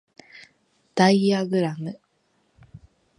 ダイアグラム